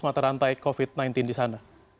mata rantai covid sembilan belas di sana